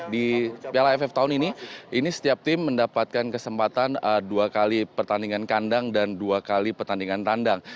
di piala aff tahun ini ini setiap tim mendapatkan kesempatan dua kali pertandingan kandang dan dua kali pertandingan tandang